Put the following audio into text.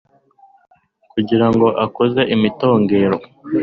kugira ngo amukize imitongero